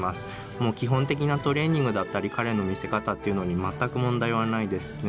もう基本的なトレーニングだったり彼の見せ方っていうのに全く問題はないですね。